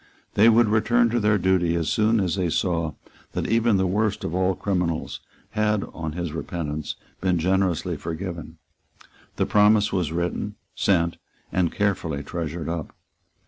They would return to their duty as soon as they saw that even the worst of all criminals had, on his repentance, been generously forgiven. The promise was written, sent, and carefully treasured up.